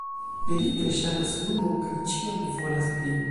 Ri tre ŝatas lumon, kaj ĉiam volas pli.